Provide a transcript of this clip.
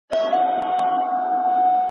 اوس له دي بوډۍ لکړي چاته په فریاد سمه `